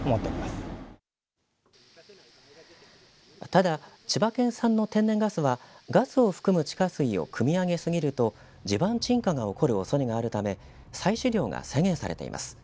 ただ千葉県産の天然ガスはガスを含む地下水をくみ上げ過ぎると地盤沈下が起こるおそれがあるため採取量が制限されています。